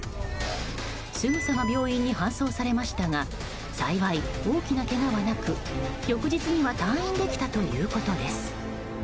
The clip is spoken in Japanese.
すぐさま病院に搬送されましたが幸い、大きなけがはなく翌日には退院できたということです。